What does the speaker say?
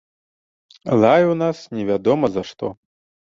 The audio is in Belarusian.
Лаяў нас невядома за што.